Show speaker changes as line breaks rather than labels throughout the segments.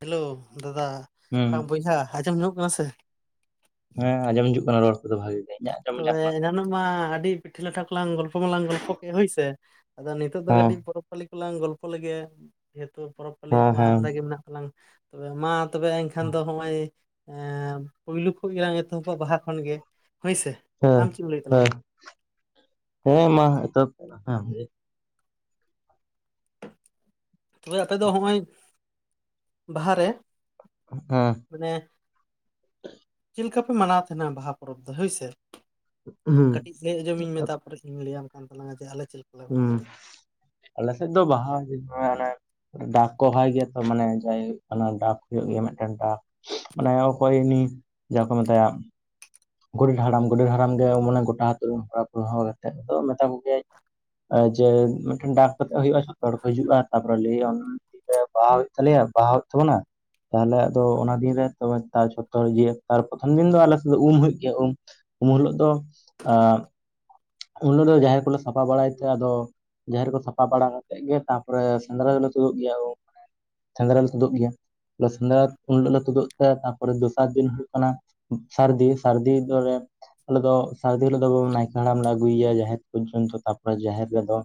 Hello ᱫᱟᱫᱟ
ᱦᱩᱸ
ᱵᱟᱝ ᱵᱚᱭᱦᱟ ᱟᱸᱡᱚᱢ ᱧᱟᱢᱚᱜ ᱠᱟᱱᱟ ᱥᱮ
ᱦᱮᱸ ᱟᱸᱡᱚᱢ ᱦᱤᱡᱩᱜ ᱠᱟᱱᱟ ᱨᱚᱲ ᱠᱚᱫᱚ ᱵᱷᱟᱜᱮ ᱜᱮ ᱤᱧᱟᱹᱜ ᱟᱸᱡᱚᱢ ᱧᱟᱢ
ᱛᱚᱵᱮ
ᱠᱟᱱᱟ?
ᱮᱱᱟᱱᱚᱜ ᱢᱟ ᱟᱹᱰᱤ ᱯᱤᱴᱷᱟᱹ ᱞᱟᱴᱷᱟ ᱠᱚᱞᱟᱝ ᱜᱚᱞᱯᱚ ᱢᱟᱞᱟᱝ ᱜᱚᱞᱯᱚ ᱠᱮᱫ ᱦᱩᱭᱥᱮ ᱟᱫᱚ ᱱᱤᱛᱚᱜ ᱫᱚ
ᱦᱮᱸ
ᱠᱟᱹᱴᱤᱡ ᱯᱚᱨᱚᱵᱽ ᱯᱟᱹᱞᱤ ᱠᱚᱞᱟᱝ ᱜᱚᱞᱯᱚ ᱞᱮᱜᱮ ᱡᱮᱦᱮᱛᱩ ᱯᱚᱨᱚᱵᱽ ᱯᱟᱹᱞᱤ
ᱦᱮᱸ
ᱠᱚᱢᱟ
ᱦᱮᱸ
ᱟᱢᱫᱟ ᱜᱮ ᱢᱮᱱᱟᱜ ᱛᱞᱟᱝ ᱛᱚᱵᱮ ᱢᱟ ᱛᱚᱵᱮ ᱮᱱᱠᱷᱟᱱ ᱫᱚ ᱦᱚᱸᱜᱼᱚᱭ ᱯᱳᱭᱞᱩ ᱠᱷᱚᱱ ᱜᱮᱞᱟᱝ ᱮᱛᱚᱦᱚᱵ -ᱟ ᱵᱟᱦᱟ ᱠᱷᱚᱱ ᱜᱮ ᱦᱳᱭᱥᱮ
ᱦᱮᱸ
ᱟᱢ ᱪᱮᱫ ᱮᱢ ᱞᱟᱹᱭᱮᱫ ᱛᱟᱞᱟᱝᱟ
ᱦᱮᱸ ᱦᱮᱸ ᱢᱟ ᱮᱛᱚᱦᱚᱵ ᱦᱮᱸ
ᱛᱚᱵᱮ ᱟᱯᱮ ᱫᱚ ᱦᱚᱸᱜᱚᱭ ᱵᱟᱦᱟ ᱨᱮ
ᱦᱮᱸ
ᱢᱟᱱᱮ ᱪᱮᱫ ᱞᱮᱠᱟ ᱯᱮ ᱢᱟᱱᱟᱣ ᱛᱟᱦᱮᱱᱟ ᱵᱟᱦᱟ ᱯᱚᱨᱚᱵᱽ ᱫᱚ ᱦᱳᱭᱥᱮ
ᱦᱩᱸ
ᱠᱟᱹᱴᱤᱡ ᱞᱟᱹᱭ ᱟᱸᱡᱚᱢᱤᱧ ᱢᱮ ᱛᱟᱨᱯᱚᱨᱮ ᱤᱧ ᱞᱟᱹᱭᱟᱢ ᱠᱟᱱ ᱛᱟᱞᱟᱝ ᱡᱮ ᱟᱞᱮ ᱪᱮᱫ ᱞᱮᱠᱟ
ᱦᱩᱸ ᱟᱞᱮ ᱥᱮᱫ ᱫᱚ ᱵᱟᱦᱟ ᱚᱱᱮ ᱰᱟᱠ ᱠᱚ ᱦᱚᱦᱚᱭ ᱜᱮᱭᱟ ᱛᱚ ᱢᱟᱱᱮ ᱡᱟᱦᱟᱸᱭ ᱦᱩᱭᱩᱜ ᱠᱟᱱᱟ ᱰᱟᱠ ᱦᱩᱭᱩᱜ ᱜᱮᱭᱟ ᱢᱤᱫᱴᱟᱝ ᱰᱟᱠ ᱢᱟᱱᱮ ᱚᱠᱚᱭ ᱩᱱᱤ ᱡᱟᱦᱟᱸ ᱠᱚ ᱢᱮᱛᱟᱭᱟ ᱜᱚᱰᱮᱴ ᱦᱟᱲᱟᱢ ᱜᱚᱰᱮᱴ ᱦᱟᱲᱟᱢ ᱜᱮ ᱢᱚᱱᱮ ᱜᱚᱴᱟ ᱟᱹᱛᱩ ᱦᱚᱲ ᱦᱟᱛᱮᱫ ᱫᱚ ᱢᱮᱛᱟ ᱠᱚᱜᱮ ᱡᱮ ᱢᱤᱫᱴᱟᱝ ᱰᱟᱠ ᱠᱟᱛᱮᱜ ᱦᱩᱭᱩᱜᱭᱼᱟ ᱡᱚᱛᱚ ᱦᱚᱲ ᱠᱚ ᱦᱤᱡᱩᱜᱼᱟ ᱛᱟᱯᱚᱨᱮ ᱞᱟᱹᱭ ᱵᱟᱦᱟ ᱦᱩᱭᱩᱜ ᱛᱟᱞᱮᱭᱟ ᱵᱟᱦᱟ ᱦᱩᱭᱩᱜ ᱛᱟᱵᱚᱱᱟ ᱾ ᱛᱟᱦᱚᱞᱮ ᱟᱫᱚ ᱚᱱᱟ ᱫᱤᱱ ᱨᱮ ᱛᱚᱵᱮ ᱛᱟᱨ ᱡᱷᱚᱛ ᱦᱚᱲ ᱫᱤᱭᱮ ᱛᱟᱨ ᱯᱨᱚᱛᱷᱚᱢ ᱫᱤᱱ ᱫᱚ ᱟᱞᱮ ᱥᱮᱫ ᱫᱚ ᱩᱢ ᱦᱩᱭᱩᱜ ᱤᱭᱟᱹ ᱩᱢ ᱩᱢ ᱦᱤᱞᱚᱜ ᱫᱚ ᱩᱱ ᱦᱤᱞᱚᱜ ᱫᱚ ᱡᱟᱦᱮᱨ ᱠᱚᱞᱮ ᱥᱟᱯᱷᱟ ᱵᱟᱲᱟᱭ ᱛᱮ ᱟᱫᱚ ᱡᱟᱦᱮᱨ ᱠᱚ ᱥᱟᱯᱷᱟ ᱵᱟᱲᱟ ᱠᱟᱛᱮᱜ ᱜᱮ ᱛᱟᱯᱚᱨᱮ ᱥᱮᱸᱫᱽᱨᱟ ᱫᱚᱞᱮ ᱛᱩᱫᱩᱜ ᱜᱮᱭᱟ ᱾ ᱥᱮᱸᱫᱽᱨᱟ ᱞᱮ ᱛᱩᱫᱩᱜ ᱜᱮᱭᱟ ᱥᱮᱸᱫᱽᱨᱟ ᱩᱱ ᱦᱤᱞᱳᱜ ᱞᱮ ᱛᱩᱫᱩᱜ ᱛᱮ ᱛᱟᱨᱯᱚᱨᱮ ᱫᱚᱥᱟᱨ ᱫᱤᱱ ᱦᱩᱭᱩᱜ ᱠᱟᱱᱟ ᱥᱟᱹᱨᱫᱤ ᱥᱟᱹᱨᱫᱤ ᱫᱚᱞᱮ ᱟᱞᱮ ᱫᱚ ᱥᱟᱹᱨᱫᱤ ᱦᱤᱞᱳᱜ ᱫᱚ ᱱᱟᱭᱠᱮ ᱦᱟᱲᱟᱢ ᱞᱮ ᱟᱹᱜᱩᱭᱟ ᱡᱟᱦᱮᱨ ᱯᱚᱨᱡᱚᱱᱛᱚ ᱛᱟᱯᱚᱨᱮ ᱡᱟᱦᱮᱨ ᱨᱮᱫᱚ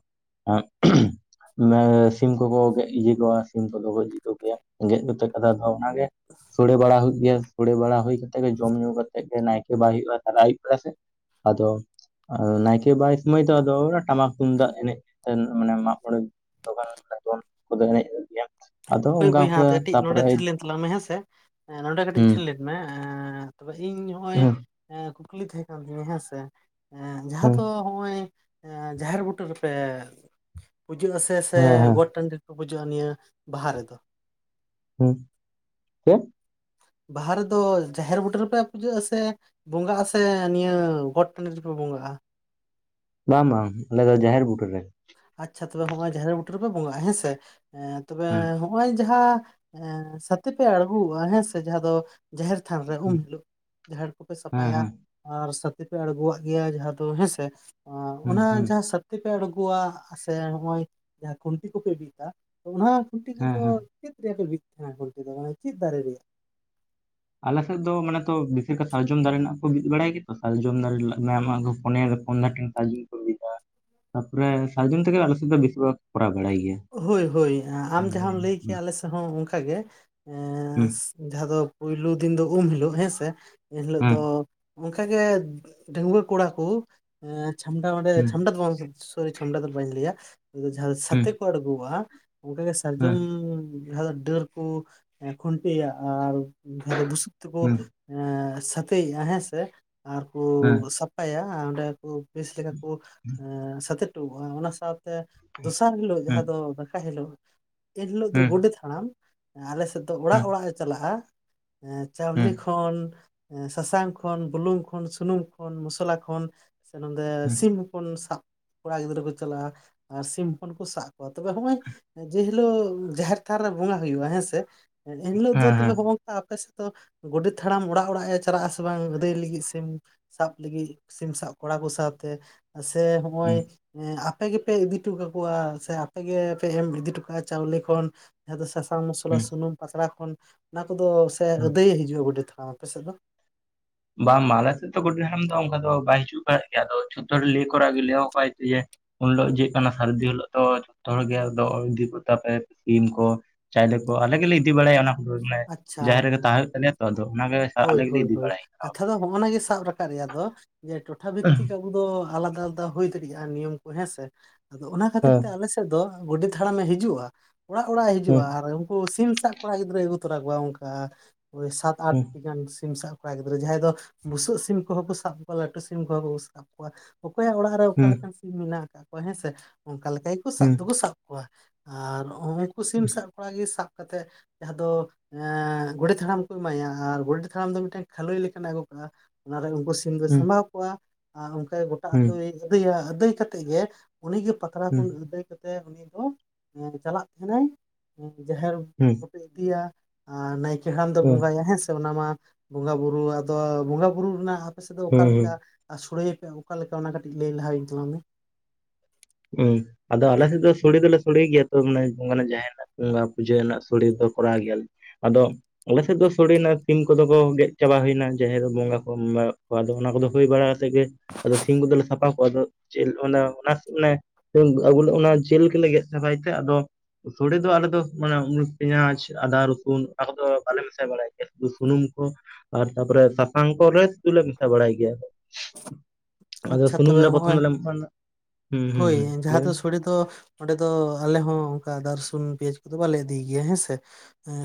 ᱥᱤᱢ ᱠᱚᱠᱚ ᱜᱮᱫ ᱤᱫᱤ ᱠᱚᱣᱟ ᱥᱤᱢ ᱠᱚᱫᱚᱠᱚ ᱜᱚᱡ ᱤᱫᱤ ᱠᱚᱜᱮᱭᱟ ᱜᱮᱫ ᱠᱟᱛᱮ ᱟᱫᱚ ᱚᱱᱟᱜᱮ ᱥᱚᱲᱮ ᱵᱟᱲᱟ ᱦᱩᱭᱩᱜ ᱜᱮᱭᱟ ᱥᱚᱲᱮ ᱵᱟᱲᱟ ᱦᱩᱭ ᱠᱟᱛᱮ ᱜᱮ ᱡᱚᱢ ᱧᱩ ᱠᱟᱛᱮ ᱱᱟᱭᱠᱮ ᱵᱟᱭ ᱛᱟᱞᱟ ᱟᱹᱭᱩᱵ ᱵᱚ ᱟᱭ ᱥᱮ ᱟᱫᱚ ᱟᱫᱚ ᱱᱟᱭᱠᱮ ᱵᱟᱭ ᱥᱚᱢᱚᱭ ᱫᱚ ᱟᱫᱚ ᱴᱟᱢᱟᱠ ᱛᱩᱢᱫᱟᱜ ᱮᱱᱮᱡ ᱠᱟᱛᱮ ᱢᱟᱱᱮ ᱢᱟᱜ ᱢᱚᱬᱮ ᱛᱚᱠᱷᱚᱱ ᱫᱚ ᱠᱚ ᱮᱱᱮᱡ ᱜᱮᱭᱟ ᱟᱫᱚ
ᱦᱳᱭ
ᱚᱱᱠᱟ
ᱵᱳᱭᱦᱟᱸ
ᱚᱱᱠᱟ
ᱠᱟᱹᱴᱤᱡ ᱱᱚᱰᱮ
ᱛᱟᱯᱚᱨᱮ
ᱛᱷᱤᱨ ᱞᱮᱱ ᱛᱟᱞᱟᱝ ᱢᱮ ᱦᱮᱸᱥᱮ ᱱᱚᱰᱮ ᱠᱟᱹᱴᱤᱡ
ᱦᱩᱸ
ᱛᱷᱤᱨ ᱞᱮᱱ ᱢᱮ ᱛᱚᱵᱮ ᱤᱧ ᱱᱚᱜᱼᱚᱭ
ᱦᱩᱸ
ᱠᱩᱠᱞᱤ ᱛᱟᱦᱮᱸ ᱠᱟᱱ ᱛᱤᱧᱟᱹ? ᱦᱮᱸᱥᱮ ᱡᱟᱦᱟᱸ
ᱦᱩᱸ
ᱫᱚ ᱱᱚᱜᱚᱭ ᱡᱟᱦᱮᱨ ᱵᱩᱴᱟᱹ ᱨᱮᱯᱮ ᱯᱩᱡᱟᱹᱜᱼᱟ ᱥᱮ ᱥᱮ
ᱦᱮᱸ ᱦᱮᱸ
ᱜᱚᱴ ᱴᱟᱺᱰᱤ ᱯᱩᱡᱟᱹᱜᱼᱟ ᱱᱤᱭᱟᱹ ᱵᱟᱦᱟ ᱨᱮᱫᱚ
ᱦᱩᱸ ᱪᱮᱫ
ᱵᱟᱦᱟ ᱨᱮᱫᱚ ᱡᱟᱦᱮᱨ ᱵᱩᱴᱟᱹ ᱨᱮᱯᱮ ᱯᱩᱡᱟᱹᱜᱼᱟ ᱥᱮ ᱵᱚᱸᱜᱟᱜᱼᱟ ᱥᱮ ᱱᱤᱭᱟᱹ ᱜᱚᱴ ᱴᱟᱺᱰᱤ ᱨᱮᱯᱮ ᱵᱚᱸᱜᱟᱜᱼᱟ ᱾
ᱵᱟᱝ ᱵᱟᱝ ᱟᱞᱮ ᱫᱚ ᱡᱟᱦᱮᱨ ᱵᱩᱴᱟᱹ ᱨᱮ
ᱟᱪᱷᱟ ᱛᱚᱵᱮ ᱦᱚᱸᱜᱼᱚᱭ ᱡᱟᱦᱮᱨ ᱵᱩᱴᱟᱹ ᱨᱮᱯᱮ ᱵᱚᱸᱜᱟᱜᱼᱟ ᱦᱮᱸᱥᱮ ᱛᱚᱵᱮ
ᱦᱮᱸ
ᱱᱚᱜᱚᱭ ᱡᱟᱦᱟᱸ ᱥᱟᱛᱤ ᱯᱮ ᱟᱲᱜᱚᱜᱼᱟ ᱦᱮᱸ ᱥᱮ ᱡᱟᱦᱟᱸ ᱫᱚ ᱡᱟᱦᱮᱨ ᱛᱷᱟᱱ ᱨᱮ ᱩᱱ
ᱦᱮᱸ
ᱦᱤᱞᱳᱜ ᱡᱟᱦᱮᱨ ᱠᱚᱯᱮ
ᱦᱮᱸ
ᱥᱟᱯᱷᱟᱭᱟ
ᱦᱮᱸ
ᱟᱨ ᱥᱟᱛᱤ ᱯᱮ ᱟᱲᱜᱚᱣᱟᱜ ᱜᱮᱭᱟ ᱡᱟᱦᱟᱸ ᱫᱚ ᱦᱮᱸᱥᱮ
ᱦᱩᱸ
ᱚᱱᱟ
ᱦᱩᱸ
ᱡᱟᱦᱟᱸ ᱥᱟᱛᱤ ᱯᱮ ᱟᱵᱚᱣᱟᱜ ᱥᱮ ᱱᱚᱜ ᱚᱭ ᱡᱟᱦᱟᱸ ᱠᱷᱩᱱᱴᱤ ᱠᱚᱯᱮ ᱵᱤᱫ ᱫᱟ ᱚᱱᱟ ᱠᱷᱩᱱᱴᱤ
ᱦᱮᱸ
ᱠᱚᱫᱚ
ᱦᱮᱸ
ᱪᱮᱫ ᱨᱮᱭᱟᱜᱯᱮ ᱵᱤᱫ ᱛᱟᱦᱮᱱᱟ ᱠᱷᱩᱱᱴᱤ ᱫᱚ ᱢᱟᱱᱮ ᱪᱮᱫ ᱫᱟᱨᱮ ᱨᱮᱭᱟᱜ
ᱟᱞᱮ ᱥᱮᱫ ᱫᱚ ᱢᱟᱱᱮ ᱛᱚ ᱵᱮᱥᱤ ᱠᱚ ᱥᱟᱨᱡᱚᱢ ᱫᱟᱨᱮ ᱨᱮᱱᱟᱜ ᱠᱚ ᱵᱤᱫ ᱵᱟᱲᱟᱭ ᱜᱮᱛᱚ ᱥᱟᱨᱡᱚᱢ ᱫᱟᱨᱮ ᱢᱮᱟᱜ ᱯᱚᱱᱭᱟ ᱯᱚᱱ ᱫᱟᱨᱮ ᱥᱟᱨᱡᱚᱢ ᱛᱤᱜᱤ ᱛᱟᱯᱚᱨᱮ ᱥᱟᱨᱡᱚᱢ ᱛᱮᱜᱮ ᱟᱞᱚ ᱥᱮᱫ ᱫᱚ ᱵᱮᱥᱤ ᱵᱷᱟᱜᱽ ᱠᱚᱨᱟᱣ ᱵᱟᱲᱟᱭ ᱜᱮᱭᱟ
ᱦᱳᱭ ᱦᱳᱭ
ᱦᱩᱸ
ᱟᱢ ᱡᱟᱦᱟᱸᱢ ᱞᱟᱹᱭ ᱠᱮᱭᱟ ᱟᱞᱮ ᱥᱮᱫ ᱦᱚᱸ ᱚᱱᱠᱟᱜ ᱜᱮ ᱮ
ᱦᱩᱸ
ᱡᱟᱦᱟᱸ ᱫᱚ ᱯᱳᱭᱞᱳ ᱫᱤᱱ ᱫᱚ ᱩᱢ ᱦᱤᱞᱳᱜ ᱦᱮᱸᱥᱮ ᱮᱱᱦᱤᱞᱳᱜ
ᱦᱩᱸ
ᱫᱚ ᱚᱱᱠᱟᱜᱮ ᱰᱟᱹᱟᱹᱜᱣᱟᱹ ᱠᱚᱲᱟ ᱠᱚ ᱮ ᱪᱷᱟᱢᱰᱟ ᱚᱸᱰᱮ ᱪᱷᱟᱢᱰᱟ ᱫᱚ ᱵᱟᱝ ᱥᱚᱨᱤ ᱪᱷᱟᱢᱰᱟ ᱫᱚ ᱵᱟᱹᱧ ᱞᱟᱹᱭᱟ ᱡᱟᱦᱟᱸ
ᱦᱩᱸ
ᱥᱟᱛᱤ ᱠᱚ ᱟᱲᱜᱚᱣᱟ ᱚᱱᱠᱟᱜᱮ ᱥᱟᱨᱡᱚᱢ
ᱦᱩᱸ
ᱰᱟᱹᱨ ᱠᱚ ᱠᱷᱩᱱᱴᱤᱭᱟ ᱟᱨ ᱡᱟᱦᱟᱸ ᱫᱚ ᱵᱩᱥᱩᱵ ᱛᱮᱠᱚ
ᱦᱩᱸ
ᱥᱟᱹᱛᱮᱫᱼᱟ ᱦᱮᱸᱥᱮ ᱟᱨ ᱠᱚ
ᱦᱮᱸ
ᱥᱟᱯᱟᱭᱟ ᱚᱸᱰᱮ ᱵᱮᱥ ᱞᱮᱠᱟ ᱠᱚ ᱥᱟᱛᱮᱡ ᱦᱚᱴᱚᱜᱼᱟ ᱚᱱᱟ ᱥᱟᱶᱛᱮ ᱫᱚᱥᱟᱨ ᱦᱤᱞᱳᱜ
ᱦᱮᱸ
ᱡᱟᱦᱟᱸ ᱫᱚ ᱫᱟᱠᱟᱭ ᱦᱤᱞᱳᱜ ᱮᱱ ᱦᱤᱞᱳᱜ ᱫᱚ
ᱦᱮᱸ ᱦᱮᱸ
ᱜᱳᱰᱮᱛ ᱦᱟᱲᱟᱢ ᱟᱞᱮ ᱥᱮᱫ ᱫᱚ ᱛᱚ ᱚᱲᱟᱜ
ᱦᱮᱸ
ᱚᱲᱟᱜ ᱮ ᱪᱟᱞᱟᱜᱼᱟ ᱪᱟᱣᱞᱤ
ᱦᱮᱸ
ᱠᱷᱚᱱ ᱥᱟᱥᱟᱝ ᱠᱷᱚᱱ ᱵᱩᱞᱩᱝ ᱠᱷᱚᱱ ᱥᱩᱱᱩᱢ ᱠᱷᱚᱱ ᱢᱩᱥᱞᱟ ᱠᱷᱚᱱ ᱥᱮ ᱱᱚᱰᱮᱸ
ᱦᱮᱸ
ᱥᱤᱢ ᱩᱱ ᱥᱟᱵ ᱠᱚᱲᱟ ᱜᱤᱫᱽᱨᱟᱹ ᱠᱚ ᱪᱟᱞᱟᱜᱼᱟ ᱟᱨ ᱥᱤᱢ ᱦᱚᱯᱚᱱ ᱠᱚ ᱥᱟᱜ ᱠᱚᱣᱟ ᱛᱮ ᱦᱚᱜᱼᱚᱭ ᱡᱮᱦᱤᱞᱳᱜ ᱡᱟᱦᱮᱨ ᱛᱷᱟᱱ ᱨᱮ ᱵᱚᱸᱜᱟ ᱦᱩᱭᱩᱜᱼᱟ ᱦᱮᱸᱥᱮ ᱮ ᱮᱱᱦᱤᱞᱳᱜ ᱫᱚ ᱛᱚᱵᱮ
ᱦᱮᱸ
ᱦᱚᱝ ᱟᱯᱮ ᱥᱮᱫ ᱫᱚ ᱜᱚᱰᱮᱛ ᱦᱟᱲᱟᱢ ᱚᱲᱟᱜ ᱚᱲᱟᱜ ᱮ ᱪᱟᱞᱟᱜ ᱟᱥᱮ ᱵᱟᱝ ᱟᱹᱫᱟᱹᱭ ᱞᱟᱹᱜᱤᱫ ᱥᱮ ᱥᱟᱵ ᱞᱤᱹᱜᱤᱫ ᱥᱤᱢ ᱥᱟᱵ ᱠᱚᱲᱟ ᱠᱚ ᱥᱟᱶᱛᱮ ᱥᱮ ᱦᱚᱸᱜᱼᱚᱭ
ᱦᱮᱸ
ᱟᱯᱮ ᱜᱤ ᱟ ᱯᱮ ᱤᱫᱤ ᱚᱴᱚ ᱠᱟᱠᱚᱣᱟ ᱥᱮ ᱟᱯᱮᱜ ᱜᱮᱯᱮ ᱮᱢ ᱤᱫᱤ ᱦᱚᱴᱚ ᱠᱟᱜᱼᱟ ᱪᱟᱣᱞᱤ ᱠᱷᱚᱱ ᱡᱟᱦᱟᱸ ᱫᱚ ᱥᱟᱥᱟᱝ ᱢᱩᱥᱞᱟ
ᱦᱮᱸ
ᱥᱩᱱᱩᱢ ᱯᱟᱛᱲᱟ ᱠᱷᱚᱱ ᱚᱱᱟ ᱠᱚᱫᱚ ᱥᱮ
ᱦᱮᱸ
ᱟᱹᱫᱟᱹᱭ ᱮᱮ ᱦᱤᱡᱩᱜᱼᱟ ᱜᱚᱰᱮᱛ ᱦᱚᱲᱟᱢ ᱟᱯᱮ ᱥᱮᱫ ᱫᱚ
ᱵᱟᱝ ᱢᱟ ᱟᱞᱮ ᱥᱮᱫᱚ ᱜᱚᱰᱮᱛ ᱦᱟᱲᱟᱢ ᱫᱚ ᱚᱱᱠᱟ ᱫᱚ ᱵᱟᱭ ᱦᱤᱡᱩᱜ ᱵᱟᱲᱟ ᱜᱮᱭᱟ ᱟᱫᱚ ᱡᱷᱚᱛᱚ ᱦᱚᱲ ᱞᱮᱟᱹᱭ ᱠᱚᱨᱟ ᱜᱮ ᱞᱮᱭ ᱟᱠᱚ ᱡᱮ ᱩᱱ ᱦᱤᱞᱳᱜ ᱪᱮᱫ ᱠᱟᱱᱟ ᱥᱟᱹᱨᱫᱤ ᱦᱤᱞᱳᱜ ᱫᱚ ᱡᱚᱛᱚ ᱦᱚᱲᱜᱮ ᱟᱫᱚ ᱤᱫᱤ ᱠᱚᱜ ᱛᱟᱯᱮ ᱥᱤᱢ ᱠᱚ ᱪᱟᱭᱞᱮ ᱠᱚ ᱟᱞᱮ ᱜᱮᱞᱮ ᱤᱫᱤ ᱵᱟᱲᱟᱭᱟ ᱚᱱᱟ ᱢᱟᱱᱮ
ᱟᱪᱪᱷᱟ
ᱡᱟᱦᱮᱨ ᱨᱮᱜᱮ ᱛᱟᱦᱮᱸ ᱦᱩᱭᱩᱜ ᱛᱟᱞᱮᱭᱟ ᱛᱚ ᱟᱫᱚ ᱚᱱᱟᱜᱮ ᱟᱞᱮ
ᱦᱳᱭ
ᱜᱮᱞᱮ
ᱦᱳᱭ
ᱤᱫᱤ
ᱦᱳᱭ
ᱵᱟᱲᱟᱭ
ᱠᱟᱛᱷᱟ ᱫᱚ ᱦᱚᱜᱼᱚᱱᱟ ᱜᱮ ᱥᱟᱵ ᱨᱟᱠᱟᱵ ᱨᱮᱭᱟᱜ ᱫᱚ ᱴᱚᱴᱷᱟ ᱵᱷᱤᱛᱛᱤᱠ ᱟᱵᱳ ᱫᱚᱚ ᱟᱞᱟᱫᱟ ᱟᱞᱟᱫᱟ ᱦᱩᱭ ᱫᱟᱲᱮᱭᱟᱜᱼᱟ ᱱᱤᱭᱚᱢ ᱠᱩ ᱦᱮᱸ ᱥᱮ ᱟᱫᱚ ᱚᱱᱟ ᱠᱷᱟᱹᱛᱤᱨ ᱛᱮ
ᱦᱮᱸ
ᱟᱞᱮ ᱥ ᱫᱚ ᱜᱚᱰᱮᱛ ᱦᱟᱲᱟᱢᱮ ᱦᱤᱡᱩᱜᱼᱟ ᱚᱲᱟᱜ ᱚᱲᱟᱜ ᱮ ᱦᱤᱡᱩᱜᱼᱟ
ᱦᱮᱸ
ᱟᱨ ᱩᱱᱠᱩ ᱥᱤᱢ ᱥᱟᱵ ᱠᱚᱲᱟ ᱜᱤᱫᱽᱨᱟᱹᱭ ᱟᱜᱩ ᱛᱚᱨᱟ ᱚᱝᱠᱟᱟ ᱳᱭ ᱥᱟᱛ
ᱦᱮᱸ
ᱟᱴᱴᱤ ᱜᱟᱱ ᱥᱤᱢ ᱥᱟᱵ ᱠᱚᱲᱟ ᱜᱤᱫᱽᱨᱟᱹ ᱡᱟᱦᱟᱸᱭ ᱫᱚ ᱵᱩᱥᱟᱹᱜ ᱥᱤᱢ ᱠᱚᱦᱚᱸ ᱠᱚ ᱥᱟᱵ ᱠᱚᱣᱟ ᱞᱟᱹᱴᱩ ᱥᱤᱢ ᱠᱚᱦᱚᱸ ᱠᱚ ᱥᱟᱵ ᱠᱚᱣᱟ ᱚᱠᱚᱭᱟᱜ ᱚᱲᱟᱜ ᱨᱮ ᱚᱠᱟ
ᱦᱮᱸ
ᱞᱮᱠᱟᱱ ᱥᱤᱢ ᱢᱮᱱᱟᱜ ᱟᱠᱟᱫ ᱠᱚᱣᱟ ᱦᱮᱸᱥᱮ ᱚᱱᱠᱟ ᱞᱮᱠᱟ ᱜᱮᱠᱩ ᱥᱟᱵ
ᱦᱮᱸ
ᱫᱚᱠᱩ ᱥᱟᱵ ᱠᱚᱣᱟ ᱟᱨᱨ ᱩᱱᱠᱩ ᱥᱤᱢ ᱥᱟᱵ ᱠᱚᱲᱟ ᱜᱮ ᱥᱟᱵ ᱠᱟᱛᱮᱫ ᱡᱟᱦᱟᱸ ᱫᱚᱚ ᱮᱮᱜ ᱜᱚᱰᱮᱛ ᱦᱟᱲᱟᱢ ᱠᱚ ᱮᱢᱟᱭᱟ ᱟᱨ ᱜᱚᱰᱮᱛ ᱦᱟᱲᱟᱢ ᱫᱚ ᱢᱤᱫᱴᱮᱱ ᱠᱷᱟᱹᱞᱳ ᱞᱮᱠᱱᱟᱜ ᱮ ᱟᱹᱜᱩ ᱠᱟᱜᱼᱟ ᱚᱱᱟᱨᱮ ᱩᱱᱠᱩ ᱥᱤ ᱥᱤᱢ ᱫᱚᱭ ᱥᱟᱵᱟᱣ ᱠᱚᱣᱟ ᱟᱨ ᱚᱱᱠᱟ ᱜᱚᱴᱟ
ᱦᱮᱸ
ᱟᱳᱩᱭ ᱟᱹᱫᱟᱹᱭ ᱟᱹᱫᱟᱹᱭ ᱠᱟᱛᱮ ᱜᱮ ᱩᱱᱤᱜᱮ ᱯᱟ ᱯᱟᱛᱲᱟ
ᱦᱮᱸ
ᱠᱷᱚᱱ ᱟᱹᱫᱟᱹ ᱠᱟᱛᱮᱜ ᱩᱱᱤ ᱫᱚ ᱪᱟᱞᱟᱜ ᱛᱟᱦᱮ ᱱᱟᱭ ᱡᱟᱦᱮᱨ
ᱦᱩᱸ
ᱟᱯᱮ ᱤᱫᱤᱭᱟ ᱟᱜᱸ ᱱᱟᱭᱠᱮ ᱦᱟᱲᱟᱢ ᱫᱚ ᱵᱚᱸᱜᱟᱭᱟ ᱦᱮᱸ ᱥᱮ ᱚᱱᱟ ᱢᱟ ᱵᱚᱸᱝᱟ ᱵᱩᱨᱩ ᱟᱫᱚ ᱵᱚᱸᱝᱟ ᱵᱩᱨᱩ ᱨᱮᱱᱟᱜ ᱟᱯᱮ ᱥᱮᱫ ᱫᱚ ᱚᱠᱟ
ᱦᱮᱸ
ᱞᱮᱠᱟ ᱟᱜᱸ ᱥᱩᱲᱟ ᱭᱟᱯᱮ ᱚᱠᱟ ᱞᱮᱠᱟ ᱚᱱᱟ ᱠᱟᱹᱴᱤᱡ ᱞᱟᱹᱭ ᱞᱟᱦᱟ ᱣᱤᱧ ᱛᱟᱞᱟᱝ ᱢᱮ
ᱦᱩᱸ ᱟᱫᱚ ᱟᱞᱮ ᱥᱮᱫ ᱫᱚ ᱥᱚᱲᱮ ᱫᱚᱞᱮ ᱥᱚᱲᱮ ᱜᱮᱭᱟ ᱛᱚ ᱢᱟᱱᱮ ᱡᱟᱨᱱᱟᱜ ᱟᱜ ᱯᱩᱡᱟᱹ ᱨᱮᱱᱟᱜ ᱥᱳᱲᱮ ᱫᱚ ᱠᱚᱨᱟᱣ ᱜᱮᱭᱟ ᱞᱮ ᱟᱫᱚ ᱟᱞᱮ ᱥᱮᱫ ᱫᱚ ᱥᱚᱲᱮᱱᱟ ᱥᱤᱢ ᱠᱚᱫᱚ ᱠᱚ ᱜᱮᱫ ᱪᱟᱵᱟ ᱦᱩᱭᱱᱟ ᱡᱟᱦᱮᱨ ᱫᱚ ᱵᱚᱸᱜᱟ ᱠᱚᱢ ᱮᱢᱟ ᱟᱫ ᱚᱱᱟ ᱠᱚᱫᱚ ᱦᱩ ᱦᱩᱭ ᱵᱟᱲᱟ ᱠᱟᱛᱮᱫ ᱜᱮ ᱟᱫᱚ ᱥᱤᱢ ᱠᱚ ᱫᱚ ᱞᱮ ᱥᱟᱯᱷᱟ ᱠᱚᱣᱟ ᱟᱫᱚ ᱪᱮᱫ ᱚᱱᱟ ᱠᱚ ᱞᱮ ᱟᱹᱜᱩ ᱚᱱᱟ ᱡᱤᱞ ᱜᱮᱞᱮ ᱜᱮᱫ ᱥᱟᱯᱷᱟᱭ ᱛᱮ ᱟᱫᱚ ᱥᱚᱲᱮ ᱫᱚ ᱟᱞᱮ ᱫᱚ ᱢᱟᱱᱮ ᱯᱮᱸᱧᱟᱪ ᱟᱫᱟ ᱨᱚᱥᱩᱱ ᱚᱱᱟ ᱠᱚᱫᱚ ᱵᱟᱞᱮ ᱢᱮᱥᱟ ᱵᱟᱲᱟᱭ ᱜᱤᱭᱟ ᱥᱩᱫᱩ ᱥᱩᱱᱩᱢ ᱠᱚ ᱟᱨ ᱛᱟᱨᱯᱚᱨᱮ ᱥᱟᱥᱟᱝ ᱠᱚᱞᱮ ᱥᱩᱫᱩ ᱞᱮ ᱢᱮᱥᱟ ᱵᱟᱲᱟᱭ ᱜᱮᱭᱟ ᱟᱫᱚ
ᱟᱪᱪᱷᱟ
ᱥᱩᱱᱩᱢ
ᱛᱚᱵᱮ
ᱞᱮ ᱯᱨᱚᱛᱷᱚᱢ
ᱦᱚᱸᱜᱼᱚᱭ
ᱫᱚᱞᱮ ᱦᱩᱸ
ᱦᱳᱭ
ᱦᱩᱸ ᱞᱟᱹᱭ
ᱡᱟᱦᱟᱸ
ᱵᱮᱱ
ᱫᱚ ᱥᱚᱲᱮ ᱫᱚ ᱚᱸᱰᱮ ᱫᱚ ᱟᱞᱮ ᱦᱚᱸ ᱚᱱᱝᱟ ᱟᱫᱟ ᱨᱟᱥᱩᱱ ᱯᱮᱸᱭᱟᱡᱽ ᱠᱚᱫᱚ ᱵᱟᱞᱮ ᱤᱫᱤ ᱜᱮᱭᱟ ᱦᱮᱸᱥᱮ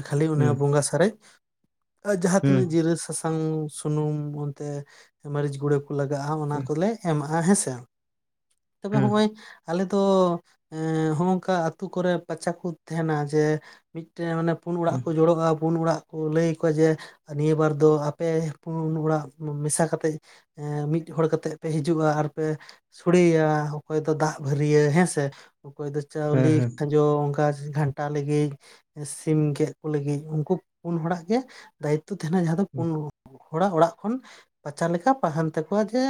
ᱠᱷᱟᱹᱞᱤ ᱚᱱᱟ
ᱦᱩᱸ
ᱵᱚᱸᱝᱟ ᱥᱟᱨᱮᱡ ᱟ ᱡᱟᱦᱟᱸ
ᱦᱩᱸ
ᱛᱤᱱᱟᱹᱜ ᱡᱤᱨᱟᱹ ᱥᱟᱥᱟᱝ ᱥᱩᱱᱩᱢ ᱚᱱ ᱛᱮ ᱢᱟᱹᱨᱤᱪ ᱜᱩᱲᱟᱹ ᱠᱚ ᱞᱟᱜᱟᱜᱼᱟ ᱚᱱᱟ ᱠᱚᱞᱮ ᱮᱢᱟᱜᱼᱟ ᱦᱮᱸᱥᱮᱮ ᱛᱚᱵᱮ ᱦᱚ ᱸᱚᱭ ᱟᱞᱮ ᱫᱚᱚ ᱮᱜ ᱦᱚᱝᱠᱟ ᱟᱛᱩ ᱠᱚᱨᱮ ᱯᱟᱪᱟ ᱠᱚ ᱛᱟᱦᱮᱱᱟ ᱡᱮ ᱢᱤᱫ ᱴᱮᱱ ᱢᱟᱱᱮ ᱯᱩᱱ ᱚᱲᱟᱜ ᱠᱚ ᱡᱚᱲᱚᱜᱼᱟ ᱯᱩᱱ ᱚᱲᱟᱜ ᱠᱚ ᱞᱟᱹᱭ ᱟᱠᱚᱣᱟ ᱡᱮ ᱱᱤᱭᱟᱹ ᱵᱟᱨ ᱫᱚ ᱟᱯᱮ ᱯᱩᱱ ᱚᱲᱟᱜ ᱢᱮᱥᱟ ᱠᱟᱛᱮᱜ ᱮᱮᱸᱢᱤᱫ ᱦᱚᱲ ᱠᱟᱛᱮᱜ ᱯᱮ ᱦᱤᱡᱩᱜᱼᱟ ᱟᱨ ᱯᱮ ᱥᱚᱲᱮᱭᱟ ᱚᱠᱚᱭ ᱫᱚ ᱫᱟᱜ ᱵᱷᱟᱹᱨᱭᱟᱹ ᱦᱮᱸᱥᱮ ᱚᱠᱚᱭ ᱫᱚ ᱪᱟᱣᱞᱤ ᱡᱚ ᱚᱱᱠᱟ ᱜᱷᱟᱱᱴᱟ ᱞᱟᱹᱜᱤᱫ ᱥᱤᱢ ᱜᱮᱫ ᱠᱚ ᱞᱟᱹᱜᱤᱫ ᱩᱱᱠᱩ ᱯᱩᱱ ᱦᱚᱲᱟᱜ ᱜᱮ ᱫᱟᱭᱤᱛᱚ ᱛᱟᱦᱮᱱᱟ ᱡᱟᱦᱟᱸ ᱫᱚ ᱯᱩᱱ ᱦᱚᱲᱟᱜ ᱚᱲᱟᱜ ᱠᱷᱚᱱ ᱯᱟᱪᱟ ᱞᱮᱠᱟ ᱛᱟᱦᱮᱱ ᱛᱟᱠᱚᱣᱟ ᱡᱮ